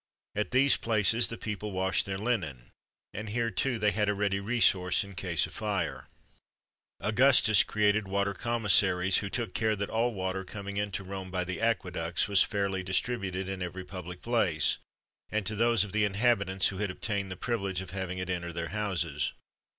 At these places the people washed their linen, and here, too, they had a ready resource in case of fire.[XXV 21] Augustus created water commissaries, who took care that all water coming into Rome by the aqueducts was fairly distributed in every public place, and to those of the inhabitants who had obtained the privilege of having it enter their houses.